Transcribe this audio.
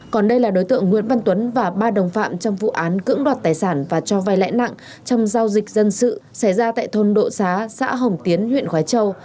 còn đây là đối tượng nguyễn văn tuấn và ba đồng phạm trong vụ án cưỡng đoạt tài sản và cho vai lãi nặng trong giao dịch dân sự xảy ra tại thôn độ xá xã hồng tiến huyện khói châu